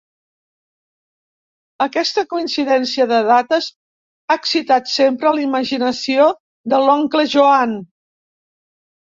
Aquesta coincidència de dates ha excitat sempre la imaginació de l'oncle Joan.